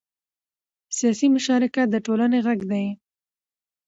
سیاسي مشارکت د ټولنې غږ دی